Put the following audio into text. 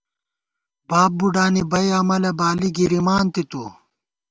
باب بُوڈانی بئ عملَہ ، بالی گِرِمان تی تُو